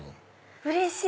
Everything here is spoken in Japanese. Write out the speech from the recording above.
うれしい！